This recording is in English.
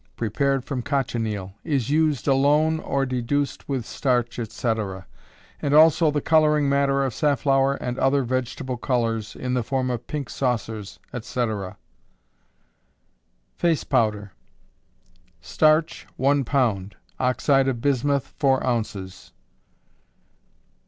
_ (prepared from cochineal) is used alone, or deduced with starch, &c. And also the coloring matter of safflower and other vegetable colors, in the form of pink saucers, &c. Face Powder. Starch, one pound; oxide of bismuth, four ounces.